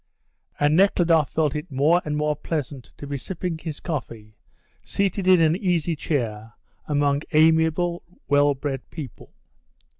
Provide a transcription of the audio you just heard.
And Nekhludoff felt it more and more pleasant to be sipping his coffee seated in an easy chair among amiable, well bred people.